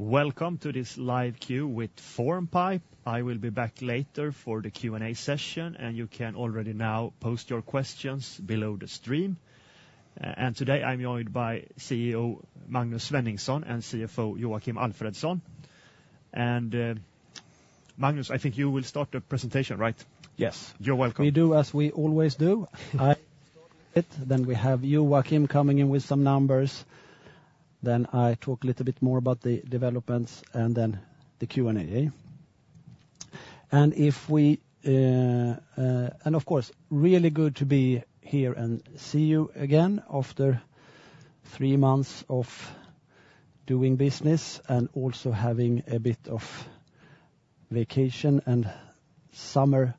Welcome to this live queue with Formpipe. I will be back later for the Q&A session, and you can already now post your questions below the stream. Today I'm joined by CEO Magnus Svenningsson and CFO Joakim Alfredsson. Magnus, I think you will start the presentation, right? Yes. You're welcome. We do as we always do. Then we have you, Joakim, coming in with some numbers, then I talk a little bit more about the developments and then the Q&A. Of course, really good to be here and see you again after three months of doing business and also having a bit of vacation and summer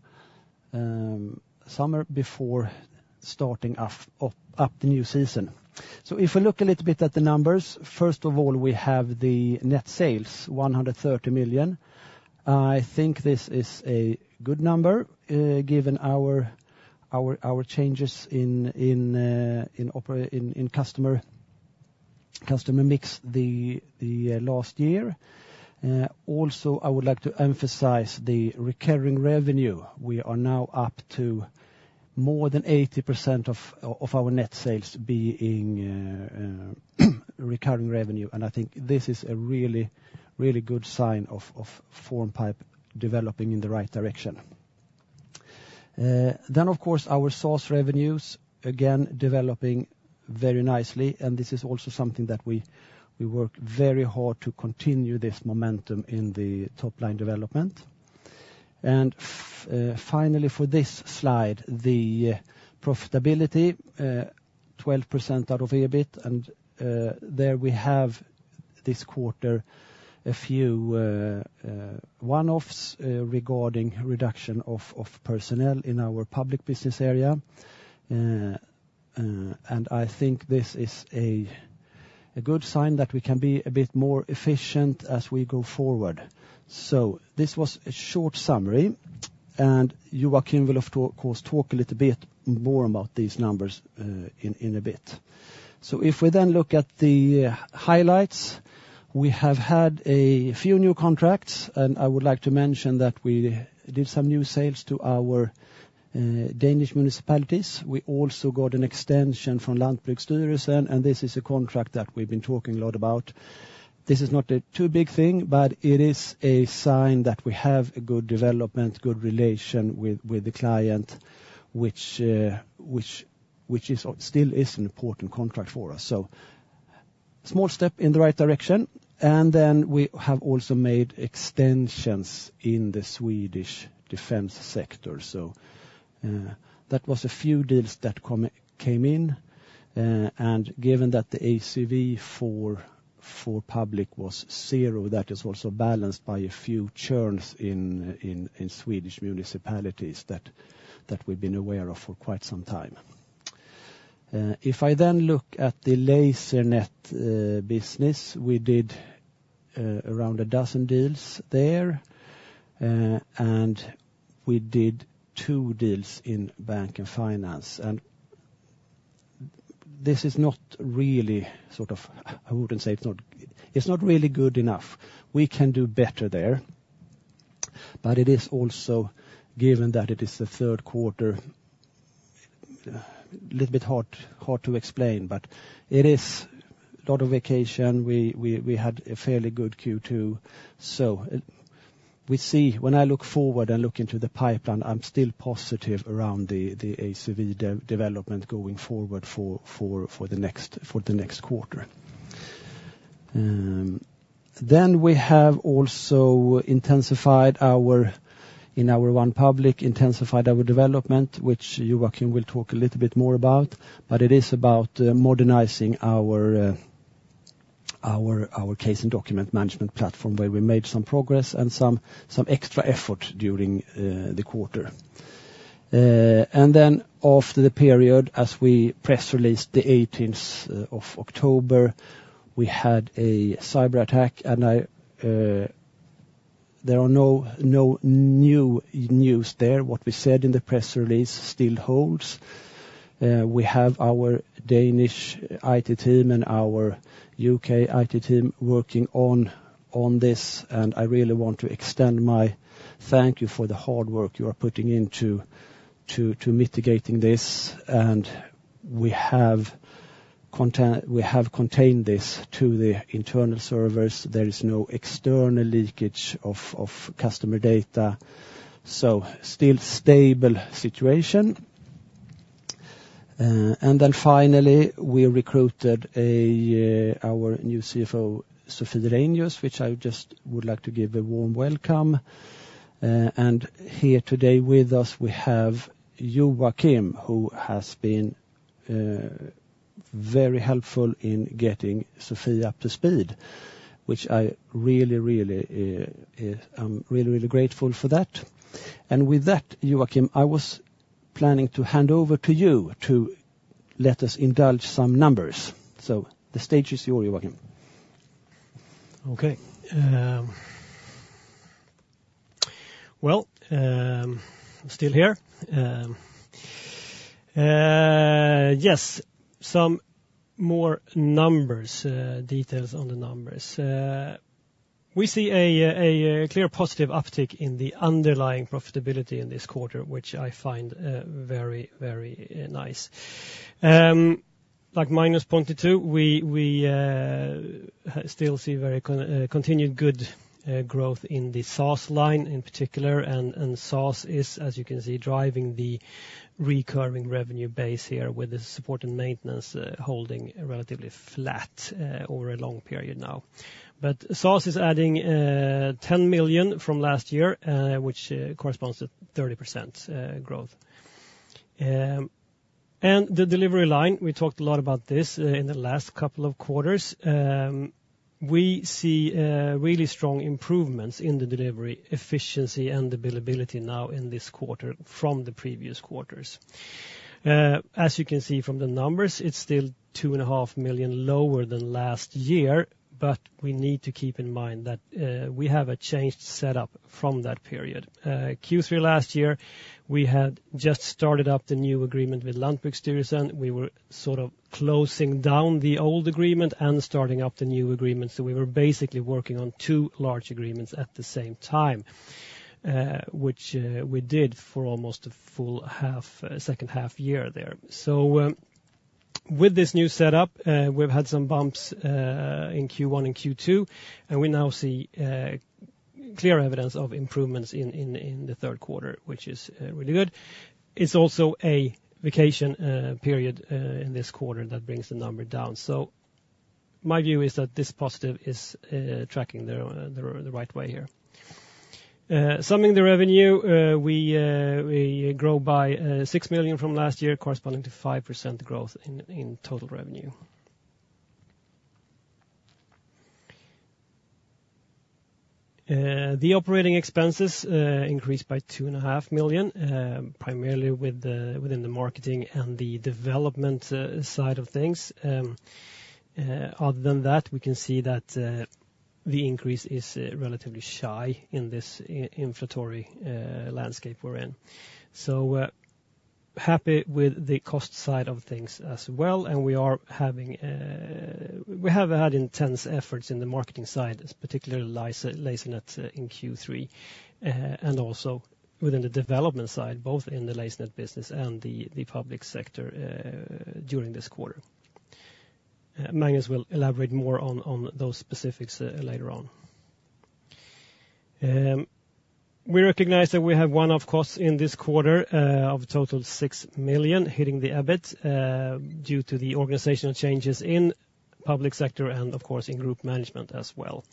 before starting off the new season. So if we look a little bit at the numbers, first of all, we have the net sales, 130 million. I think this is a good number, given our changes in operations and customer mix the last year. Also, I would like to emphasize the recurring revenue. We are now up to more than 80% of our net sales being recurring revenue, and I think this is a really, really good sign of Formpipe developing in the right direction. Then, of course, our SaaS revenues, again, developing very nicely, and this is also something that we work very hard to continue this momentum in the top-line development. Finally, for this slide, the profitability, 12% out of EBIT, and there we have this quarter a few one-offs regarding reduction of personnel in our public business area. I think this is a good sign that we can be a bit more efficient as we go forward. This was a short summary, and Joakim will of course talk a little bit more about these numbers in a bit. If we then look at the highlights, we have had a few new contracts, and I would like to mention that we did some new sales to our Danish municipalities. We also got an extension from Lantbruk Styrelsen and this is a contract that we've been talking a lot about. This is not a too big thing, but it is a sign that we have a good development, good relation with the client, which is still an important contract for us. Small step in the right direction, and then we have also made extensions in the Swedish defense sector. That was a few deals that came in, and given that the ACV for public was zero, that is also balanced by a few churns in Swedish municipalities that we've been aware of for quite some time. If I then look at the Lasernet business, we did around a dozen deals there, and we did two deals in bank and finance. This is not really good enough. We can do better there, but it is also given that it is the third quarter, a little bit hard to explain, but it is a lot of vacation. We had a fairly good Q2, so we see when I look forward and look into the pipeline, I'm still positive around the ACV development going forward for the next quarter. Then we have also intensified our development in our One Public, which Joakim will talk a little bit more about, but it is about modernizing our case and document management platform, where we made some progress and some extra effort during the quarter. And then after the period, as we press released the eighteenth of October, we had a cyberattack, and there are no new news there. What we said in the press release still holds. We have our Danish IT team and our U.K. IT team working on this, and I really want to extend my thank you for the hard work you are putting into mitigating this, and we have contained this to the internal servers. There is no external leakage of customer data, so still stable situation. And then finally, we recruited our new CFO, Sofia Reinius, which I just would like to give a warm welcome, and here today with us, we have Joakim, who has been very helpful in getting Sofia up to speed, which I really, really, I'm really, really grateful for that. With that, Joakim, I was planning to hand over to you to let us indulge some numbers. So the stage is yours, Joakim. Okay, um- .Well, still here. Yes, some more numbers, details on the numbers. We see a clear positive uptick in the underlying profitability in this quarter, which I find very, very nice. Like minus 0.2, we still see very continued good growth in the SaaS line in particular, and SaaS is, as you can see, driving the recurring revenue base here, with the support and maintenance holding relatively flat over a long period now, but SaaS is adding 10 million from last year, which corresponds to 30% growth, and the delivery line, we talked a lot about this in the last couple of quarters. We see really strong improvements in the delivery efficiency and availability now in this quarter from the previous quarters. As you can see from the numbers, it's still 2.5 million lower than last year, but we need to keep in mind that we have a changed setup from that period. Q3 last year, we had just started up the new agreement with Lantbruk Styrelsen. We were sort of closing down the old agreement and starting up the new agreement, so we were basically working on two large agreements at the same time, which we did for almost a full half, second half year there. With this new setup, we've had some bumps in Q1 and Q2, and we now see clear evidence of improvements in the third quarter, which is really good. It's also a vacation period in this quarter that brings the number down. My view is that this positive is tracking the right way here. Summing the revenue, we grow by 6 million from last year, corresponding to 5% growth in total revenue. The operating expenses increased by 2.5 million, primarily within the marketing and the development side of things. Other than that, we can see that the increase is relatively shy in this inflationary landscape we're in. Happy with the cost side of things as well, and we have had intense efforts in the marketing side, particularly Lasernet in Q3, and also within the development side, both in the Lasernet business and the public sector during this quarter. Magnus will elaborate more on those specifics later on. We recognize that we have one-off costs in this quarter of total 6 million, hitting the EBIT, due to the organizational changes in public sector and, of course, in group management as well.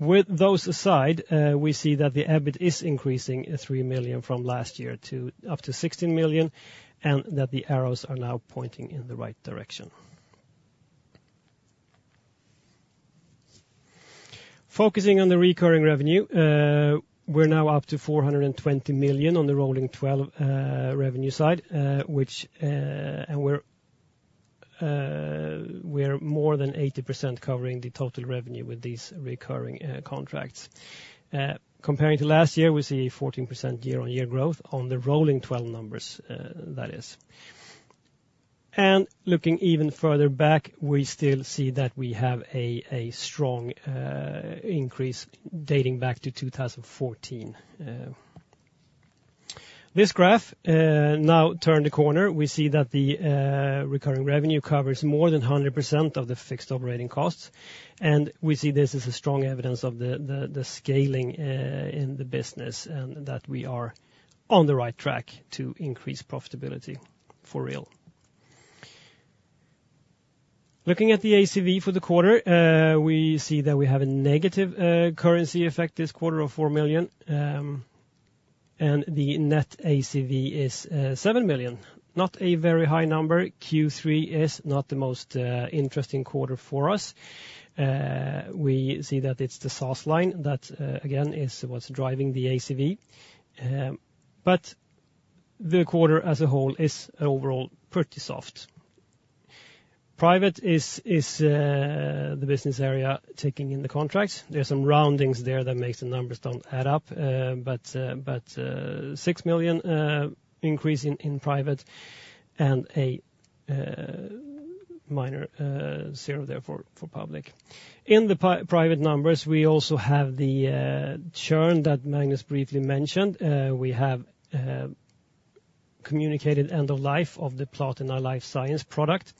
With those aside, we see that the EBIT is increasing 3 million from last year to up to 16 million, and that the arrows are now pointing in the right direction. Focusing on the recurring revenue, we're now up to 420 million on the rolling twelve revenue side, which and we're more than 80% covering the total revenue with these recurring contracts. Comparing to last year, we see 14% year-on-year growth on the rolling twelve numbers, that is. And looking even further back, we still see that we have a strong increase dating back to 2014 This graph now turned a corner. We see that the recurring revenue covers more than 100% of the fixed operating costs, and we see this as a strong evidence of the scaling in the business, and that we are on the right track to increase profitability for real. Looking at the ACV for the quarter, we see that we have a negative currency effect this quarter of 4 million, and the net ACV is 7 million. Not a very high number. Q3 is not the most interesting quarter for us. We see that it's the SaaS line that again is what's driving the ACV. The quarter as a whole is overall pretty soft. Private is the business area taking in the contracts. There are some roundings there that makes the numbers don't add up, but 6 million increase in private and a minor zero there for public. In the private numbers, we also have the churn that Magnus briefly mentioned. We have communicated end of life of the Platina in our Life Science product,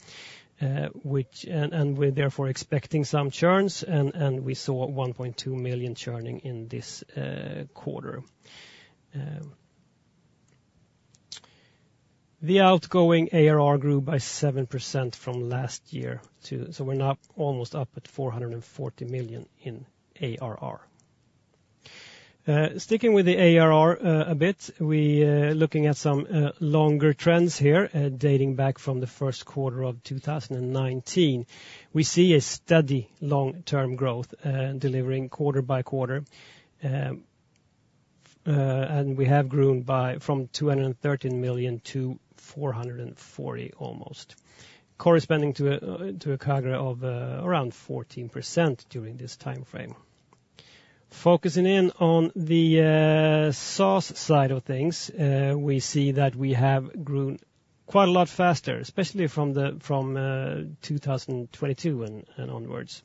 which, and we're therefore expecting some churns, and we saw 1.2 million churning in this quarter. The outgoing ARR grew by 7% from last year. We're now almost up at 440 million in ARR. Sticking with the ARR a bit, we looking at some longer trends here dating back from the first quarter of 2019. We see a steady long-term growth, delivering quarter by quarter, and we have grown from 213 million to 440 million almost, corresponding to a CAGR of around 14% during this time frame. Focusing in on the SaaS side of things, we see that we have grown quite a lot faster, especially from 2022 and onwards.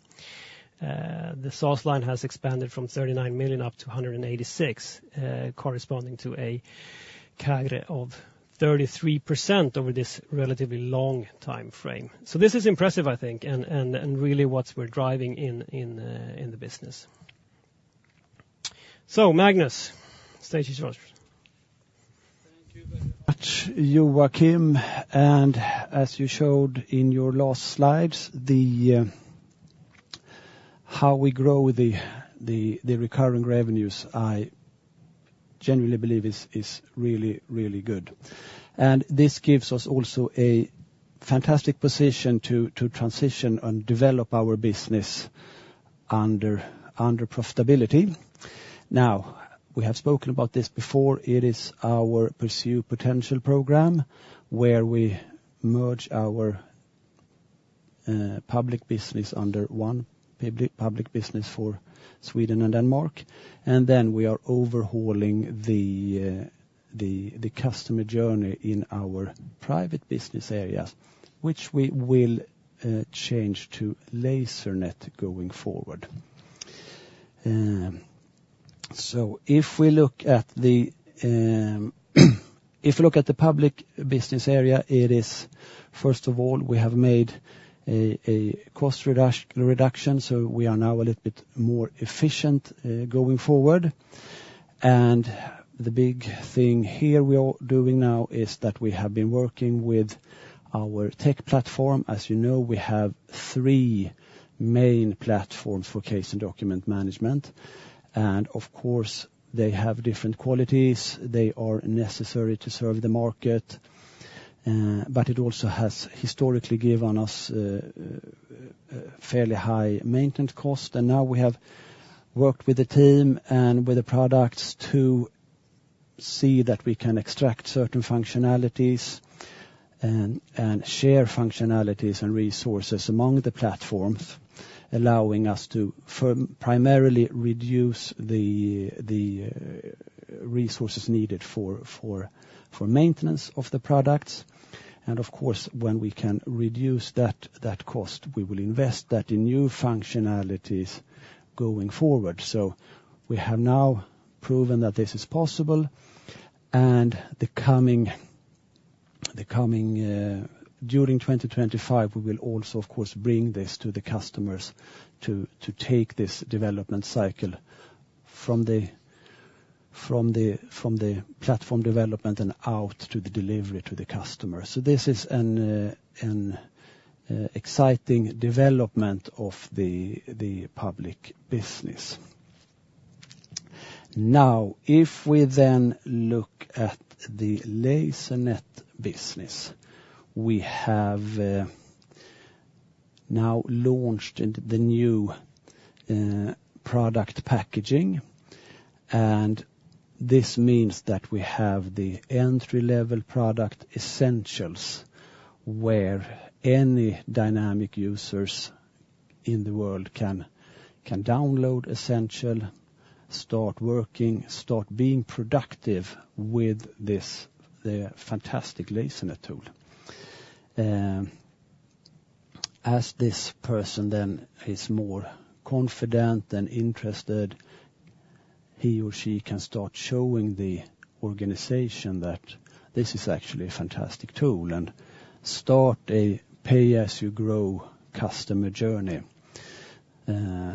The SaaS line has expanded from 39 million SEK up to 186 million SEK, corresponding to a CAGR of 33% over this relatively long time frame. So this is impressive, I think, and really what we're driving in the business. So Magnus, stage is yours. Thank you very much, you, Joakim, and as you showed in your last slides, how we grow the recurring revenues, I generally believe is really, really good, and this gives us also a fantastic position to transition and develop our business under profitability. Now, we have spoken about this before. It is our Pursue Potential program, where we merge our public business under One Public business for Sweden and Denmark, and then we are overhauling the customer journey in our private business areas, which we will change to Lasernet going forward. So if you look at the public business area, it is first of all, we have made a cost reduction, so we are now a little bit more efficient going forward. The big thing here we are doing now is that we have been working with our tech platform. As you know, we have three main platforms for case and document management, and of course, they have different qualities. They are necessary to serve the market, but it also has historically given us fairly high maintenance cost. Now we have worked with the team and with the products to see that we can extract certain functionalities and share functionalities and resources among the platforms, allowing us to primarily reduce the resources needed for maintenance of the products. Of course, when we can reduce that cost, we will invest that in new functionalities going forward. We have now proven that this is possible, and the coming... During twenty twenty-five, we will also, of course, bring this to the customers to take this development cycle from the platform development and out to the delivery to the customer. So this is an exciting development of the public business. Now, if we then look at the Lasernet business, we have now launched into the new product packaging, and this means that we have the entry-level product Essentials, where any Dynamics users in the world can download Essentials, start working, start being productive with this, the fantastic Lasernet tool. As this person then is more confident and interested, he or she can start showing the organization that this is actually a fantastic tool and start a pay-as-you-grow customer journey. And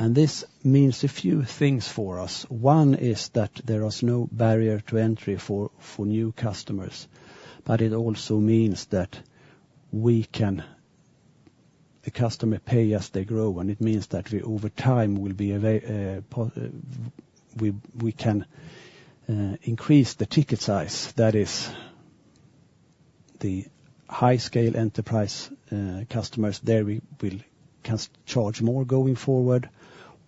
this means a few things for us. One is that there is no barrier to entry for new customers, but it also means that we can the customer pay as they grow, and it means that we, over time, we, we can increase the ticket size. That is the high-scale enterprise customers, there we will, can charge more going forward,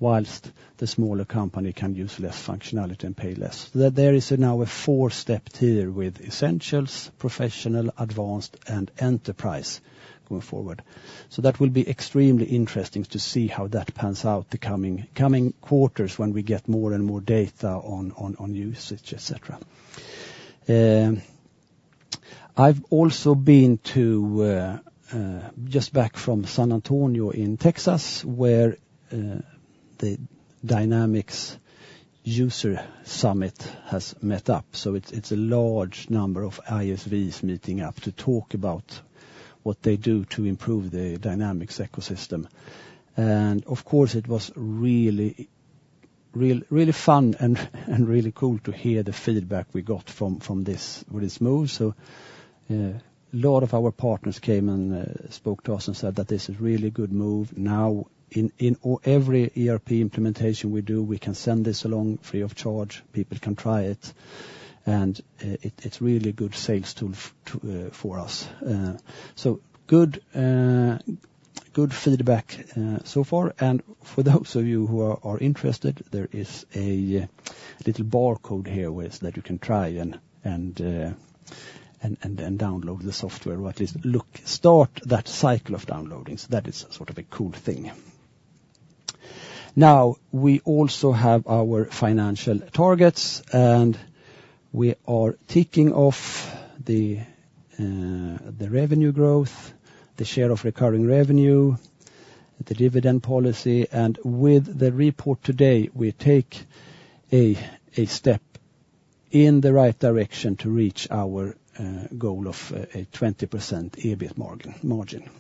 whilst the smaller company can use less functionality and pay less. There is now a four-step tier with Essentials, Professional, Advanced, and Enterprise going forward. So that will be extremely interesting to see how that pans out the coming quarters when we get more and more data on usage, et cetera. I've also been to just back from San Antonio in Texas, where the Dynamics Community Summit has met up. So it's a large number of ISVs meeting up to talk about what they do to improve the Dynamics ecosystem. And of course, it was really fun and really cool to hear the feedback we got from this with this move. So a lot of our partners came and spoke to us and said that this is a really good move. Now, in every ERP implementation we do, we can send this along free of charge. People can try it, and it's a really good sales tool for us. So good feedback so far, and for those of you who are interested, there is a little barcode here with that you can try and then download the software, or at least look, start that cycle of downloading. That is sort of a cool thing. Now, we also have our financial targets, and we are ticking off the revenue growth, the share of recurring revenue, the dividend policy, and with the report today, we take a step in the right direction to reach our goal of a 20% EBIT margin.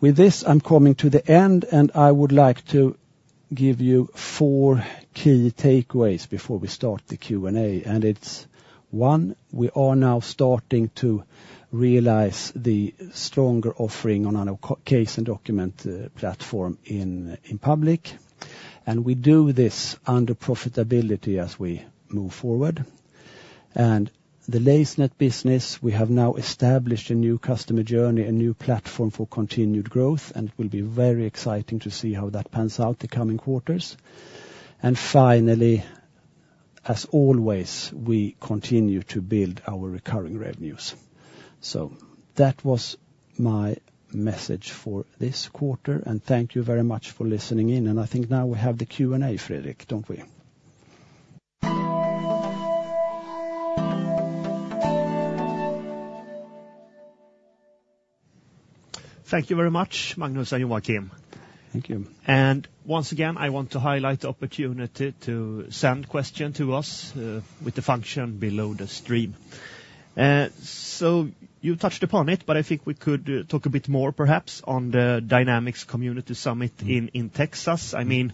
With this, I'm coming to the end, and I would like to give you four key takeaways before we start the Q&A. It's one, we are now starting to realize the stronger offering on our core case and document platform in public, and we do this under profitability as we move forward. The Lasernet business, we have now established a new customer journey, a new platform for continued growth, and it will be very exciting to see how that pans out the coming quarters. And finally, as always, we continue to build our recurring revenues. So that was my message for this quarter, and thank you very much for listening in, and I think now we have the Q&A, Fredrik, don't we? Thank you very much, Magnus and Joakim. Thank you. Once again, I want to highlight the opportunity to send question to us, with the function below the stream. So you touched upon it, but I think we could talk a bit more perhaps on the Dynamics Community Summit in Texas. I mean,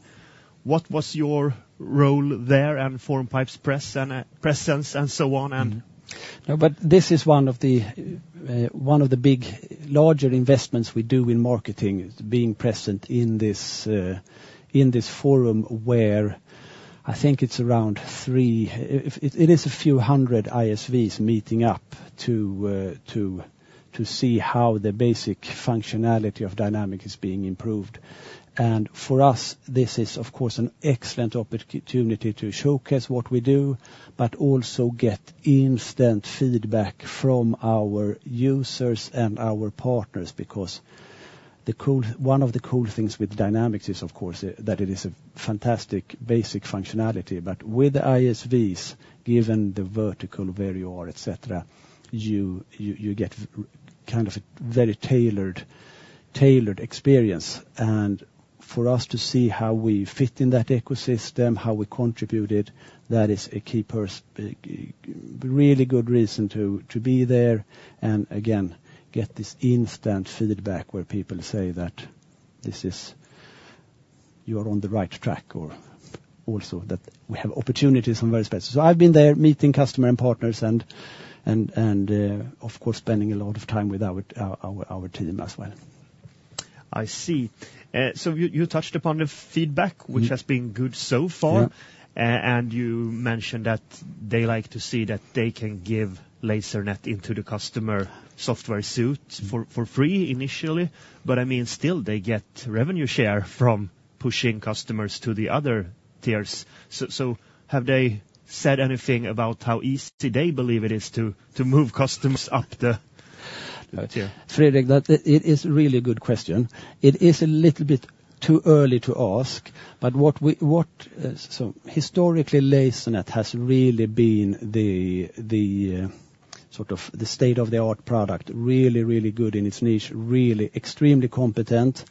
what was your role there, and Formpipe's press and presence, and so on, and- Mm-hmm. No, but this is one of the big, larger investments we do in marketing, is being present in this forum, where I think it is a few hundred ISVs meeting up to see how the basic functionality of Dynamics is being improved. And for us, this is, of course, an excellent opportunity to showcase what we do, but also get instant feedback from our users and our partners, because one of the cool things with Dynamics is, of course, that it is a fantastic basic functionality, but with ISVs, given the vertical, where you are, et cetera, you get kind of a very tailored experience. And for us to see how we fit in that ecosystem, how we contribute it, that is a key really good reason to be there, and again, get this instant feedback where people say that this is... You are on the right track, or also that we have opportunities on various places. So I've been there meeting customer and partners and, of course, spending a lot of time with our team as well. I see. So you touched upon the feedback- Mm-hmm. which has been good so far. Yeah. And you mentioned that they like to see that they can give Lasernet into the customer software suite for free initially. But, I mean, still they get revenue share from pushing customers to the other tiers. So have they said anything about how easy they believe it is to move customers up the tier? Fredrik, that it is a really good question. It is a little bit too early to ask, but what we... so historically, Lasernet has really been the sort of the state-of-the-art product. Really, really good in its niche, really extremely competent,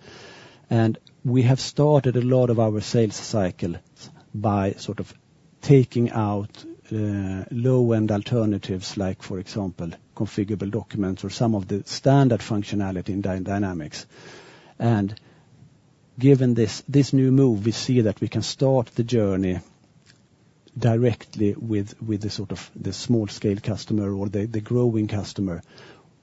and we have started a lot of our sales cycle by sort of taking out low-end alternatives, like, for example, configurable documents or some of the standard functionality in Dynamics. And given this new move, we see that we can start the journey directly with the sort of the small-scale customer or the growing customer,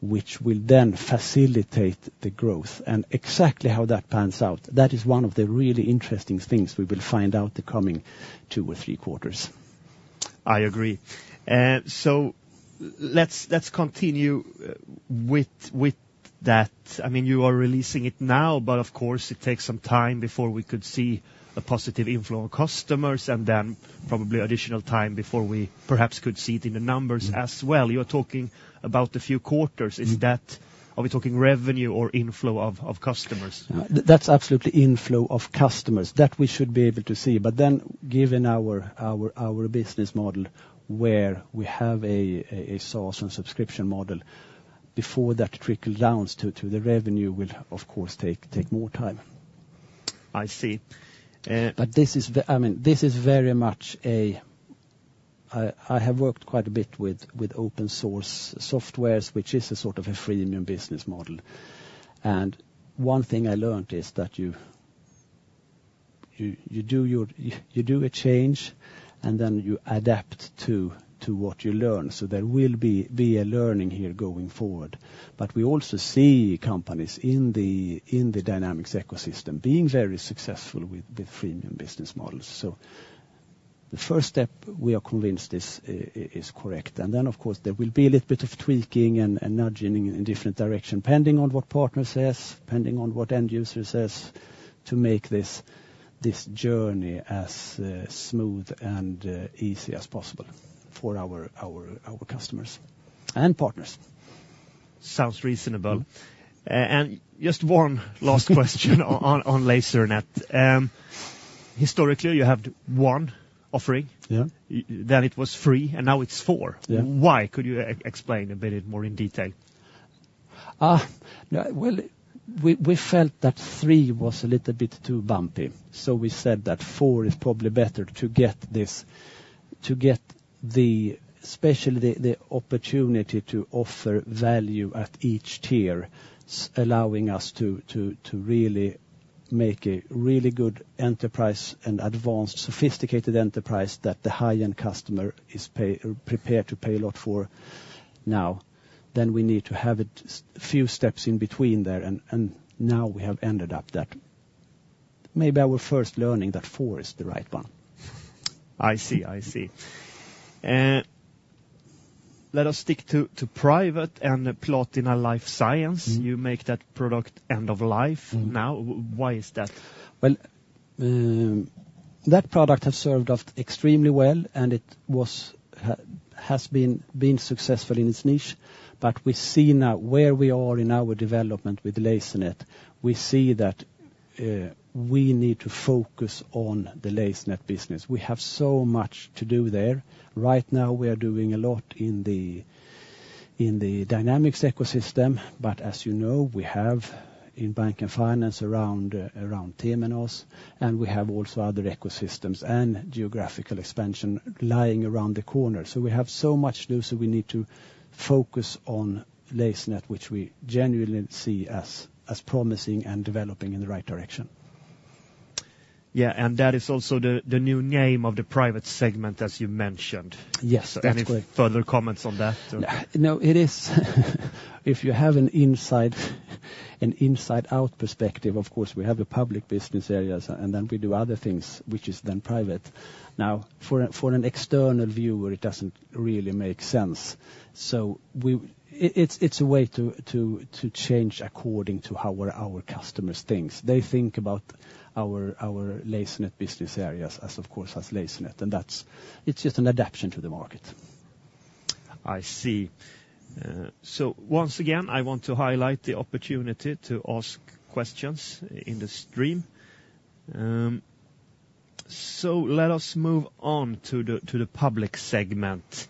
which will then facilitate the growth. And exactly how that pans out, that is one of the really interesting things we will find out the coming two or three quarters. I agree. So let's continue with that. I mean, you are releasing it now, but of course it takes some time before we could see a positive inflow of customers, and then probably additional time before we perhaps could see it in the numbers as well. Mm-hmm. You're talking about a few quarters. Mm-hmm. Is that, are we talking revenue or inflow of customers? That's absolute inflow of customers. That we should be able to see, but then given our business model, where we have a SaaS and subscription model, before that trickle down to the revenue will, of course, take more time. I see. But this is. I mean, this is very much a. I have worked quite a bit with open source softwares, which is a sort of a freemium business model, and one thing I learned is that you do a change, and then you adapt to what you learn, so there will be a learning here going forward. But we also see companies in the Dynamics ecosystem being very successful with freemium business models, so. The first step, we are convinced is correct. And then, of course, there will be a little bit of tweaking and nudging in a different direction, pending on what partner says, pending on what end user says, to make this journey as smooth and easy as possible for our customers and partners. Sounds reasonable. Mm-hmm. And just one last question on Lasernet. Historically, you have one offering? Yeah. Then it was three, and now it's four. Yeah. Why? Could you explain a bit more in detail? Ah, yeah, well, we felt that three was a little bit too bumpy, so we said that four is probably better to get this, to get especially the opportunity to offer value at each tier, allowing us to really make a really good enterprise and advanced sophisticated enterprise that the high-end customer is prepared to pay a lot for now. Then we need to have a few steps in between there, and now we have ended up that. Maybe our first learning, that four is the right one. I see, I see. Let us stick to private and Platina Life Science. Mm-hmm. You make that product end of life now. Mm-hmm. Why is that? That product has served us extremely well, and it has been successful in its niche. But we see now where we are in our development with Lasernet. We see that we need to focus on the Lasernet business. We have so much to do there. Right now, we are doing a lot in the Dynamics ecosystem, but as you know, we have in bank and finance around Temenos, and we have also other ecosystems and geographical expansion lying around the corner. So we have so much to do, so we need to focus on Lasernet, which we genuinely see as promising and developing in the right direction. Yeah, and that is also the new name of the private segment, as you mentioned. Yes, that's correct. Any further comments on that? No, it is. If you have an inside-out perspective, of course, we have the public business areas, and then we do other things, which is then private. Now, for an external viewer, it doesn't really make sense. So it's a way to change according to how our customers thinks. They think about our Lasernet business areas as, of course, as Lasernet, and that's it. It's just an adaptation to the market. I see. So once again, I want to highlight the opportunity to ask questions in the stream. So let us move on to the public segment.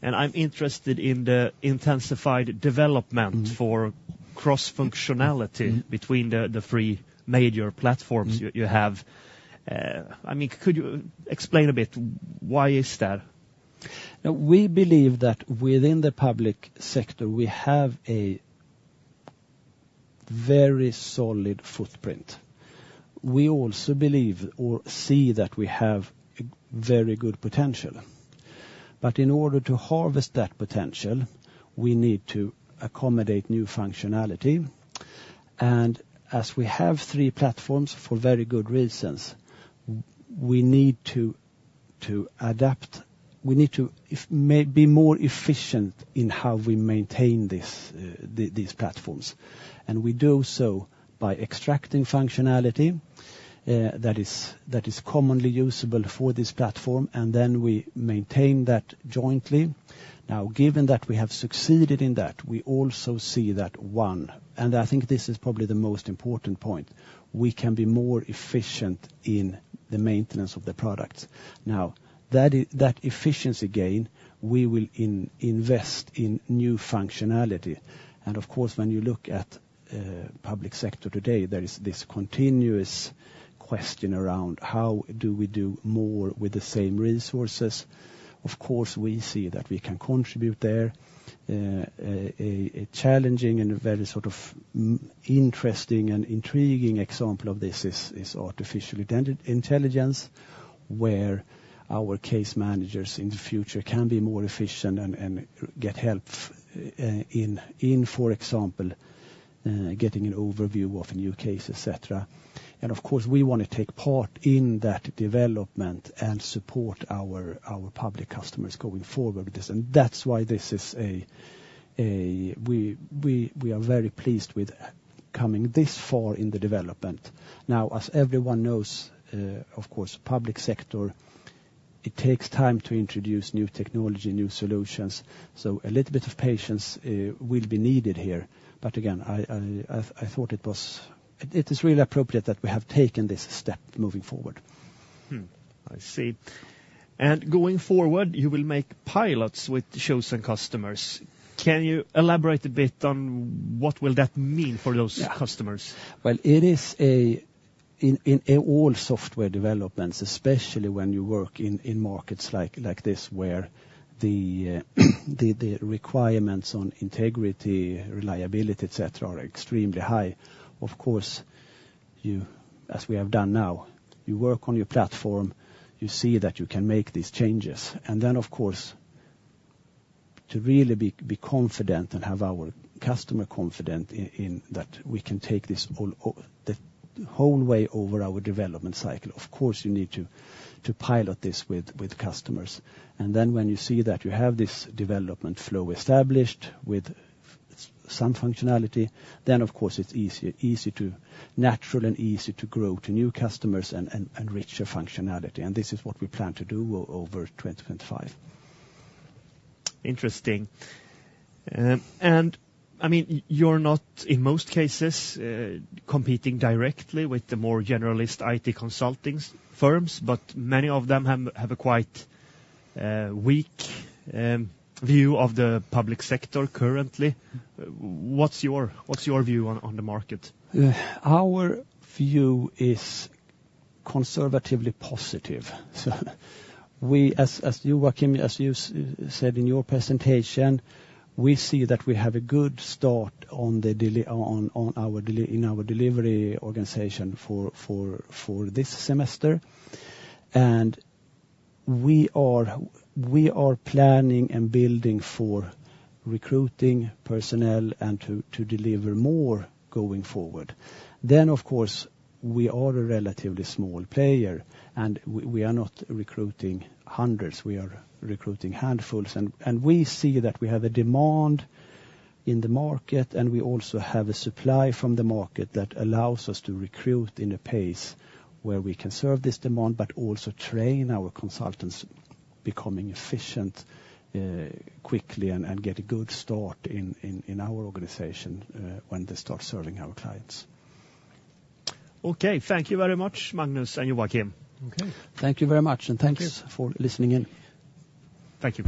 And I'm interested in the intensified development- Mm-hmm. -for cross-functionality- Mm-hmm. -between the three major platforms- Mm-hmm. You, you have. I mean, could you explain a bit, why is that? Now, we believe that within the public sector, we have a very solid footprint. We also believe or see that we have a very good potential but in order to harvest that potential, we need to accommodate new functionality, and as we have three platforms for very good reasons, we need to adapt. We need to be more efficient in how we maintain these platforms and we do so by extracting functionality that is commonly usable for this platform, and then we maintain that jointly. Now, given that we have succeeded in that, we also see that, one, and I think this is probably the most important point, we can be more efficient in the maintenance of the product. Now, that efficiency gain, we will invest in new functionality. And of course, when you look at public sector today, there is this continuous question around: How do we do more with the same resources? Of course, we see that we can contribute there. A challenging and a very sort of interesting and intriguing example of this is artificial intelligence, where our case managers in the future can be more efficient and get help in for example getting an overview of a new case, et cetera. And of course, we want to take part in that development and support our public customers going forward with this. And that's why this is a... We are very pleased with coming this far in the development. Now, as everyone knows, of course, public sector, it takes time to introduce new technology, new solutions, so a little bit of patience will be needed here. But again, I thought it is really appropriate that we have taken this step moving forward. I see. And going forward, you will make pilots with the chosen customers. Can you elaborate a bit on what will that mean for those- Yeah. -customers? Well, it is in all software developments, especially when you work in markets like this, where the requirements on integrity, reliability, et cetera, are extremely high. Of course, as we have done now, you work on your platform, you see that you can make these changes, and then, of course, to really be confident and have our customer confident in that we can take this all the way over our development cycle. Of course, you need to pilot this with customers. And then when you see that you have this development flow established with some functionality, then, of course, it's easier, natural and easy to grow to new customers and richer functionality. And this is what we plan to do over 2025. Interesting. And, I mean, you're not, in most cases, competing directly with the more generalist IT consulting firms, but many of them have a quite weak view of the public sector currently. What's your view on the market? Our view is conservatively positive, so as you, Joakim, as you said in your presentation, we see that we have a good start in our delivery organization for this semester, and we are planning and building for recruiting personnel and to deliver more going forward. Of course, we are a relatively small player, and we are not recruiting hundreds, we are recruiting handfuls, and we see that we have a demand in the market, and we also have a supply from the market that allows us to recruit at a pace where we can serve this demand, but also train our consultants, becoming efficient quickly and get a good start in our organization when they start serving our clients. Okay, thank you very much, Magnus and Joakim. Okay. Thank you very much, and thanks for listening in. Thank you.